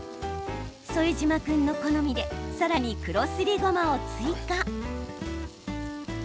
副島君の好みでさらに黒すりごまを追加。